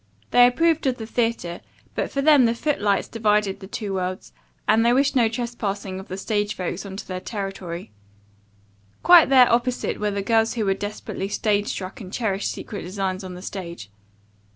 They approved of the theatre, but for them the foot lights divided the two worlds, and they wished no trespassing of the stage folks on their territory. Quite their opposite were the girls who were desperately stage struck and cherished secret designs on the stage.